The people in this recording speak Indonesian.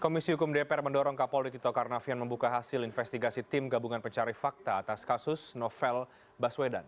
komisi hukum dpr mendorong kapolri tito karnavian membuka hasil investigasi tim gabungan pencari fakta atas kasus novel baswedan